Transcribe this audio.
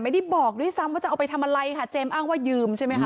ไม่ได้บอกด้วยซ้ำว่าจะเอาไปทำอะไรค่ะเจมส์อ้างว่ายืมใช่ไหมคะ